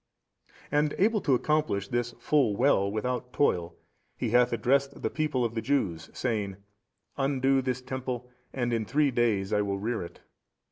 And able to accomplish this full well without toil, He hath addressed the people of the Jews saying, Undo this Temple and in three days I will rear it.